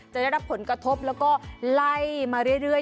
จะได้รับผลกระทบแล้วก็ไล่มาเรื่อย